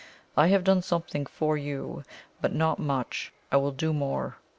I have done something for you, but not much I will do more.